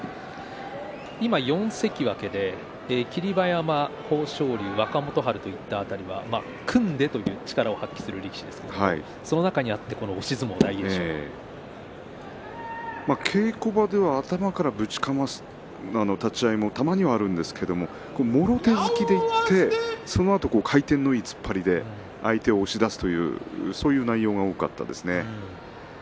４関脇で霧馬山、豊昇龍若元春といった辺りは組んで力を発揮する力士ですがその中で押し相撲、大栄翔。稽古場では頭からぶちかます立ち合いもたまにあるんですがもろ手突きにいってそのあと回転のいい突き出しで相手を押し出すということが多いですね。